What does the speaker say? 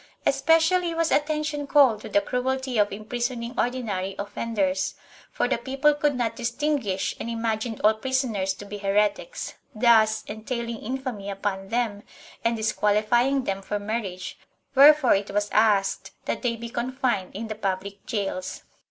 Especially was attention called to the cruelty of imprisoning ordinary offenders, for the people could not distinguish and imagined all prisoners to be heretics, thus entailing infamy upon them arid disqualifying them for marriage, wherefore it was asked that they be confined in the public gaols.